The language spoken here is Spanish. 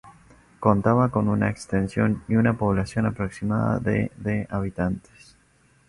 Contaba con una extensión de y una población aproximada de de habitantes.